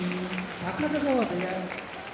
高田川部屋